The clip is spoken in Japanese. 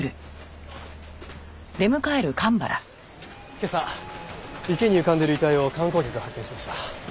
今朝池に浮かんでいる遺体を観光客が発見しました。